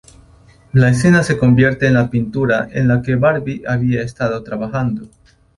La escena se convierte en la pintura en la que Barbie había estado trabajando.